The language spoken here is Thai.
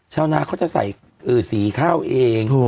ชาวนาเขาจะใส่สีข้าวเอง